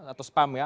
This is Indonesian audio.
atau spam ya